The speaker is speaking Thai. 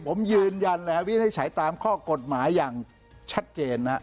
ผมยืนยันวิทย์ให้ใช้ตามข้อกฎหมายอย่างชัดเจน